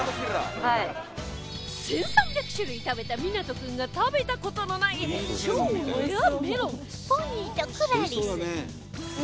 １３００種類食べた湊君が食べた事のない超レアメロンポニーとクラリス